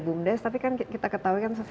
bumdes tapi kan kita ketahui kan